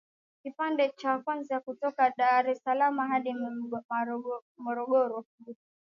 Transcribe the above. Kipande cha kwanza ni kutoka dar es salaam hadi Morogoro